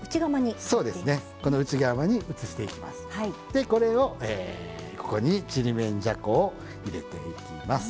でこれをここにちりめんじゃこを入れていきます。